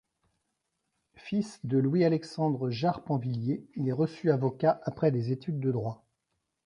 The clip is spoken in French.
Fils de Louis-Alexandre Jard-Panvillier, il est reçu avocat après des études de droit.